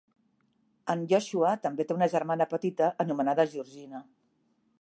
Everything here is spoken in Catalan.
En Joshua també té una germana petita anomenada Georgina.